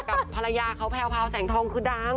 กับภรรยาเขาแพรวแสงทองคือดัง